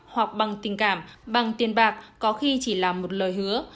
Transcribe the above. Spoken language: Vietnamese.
hoặc bằng tình cảm bằng tiền bạc có khi chỉ là một lời hứa